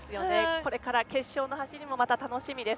これから決勝の走りも楽しみです。